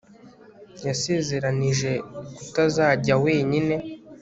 yasezeranije kutazajya wenyine